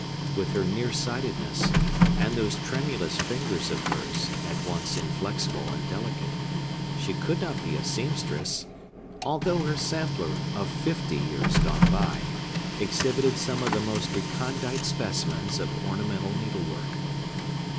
With her near sightedness, and those tremulous fingers of hers, at once inflexible and delicate, she could not be a seamstress; although her sampler, of fifty years gone by, exhibited some of the most recondite specimens of ornamental needlework.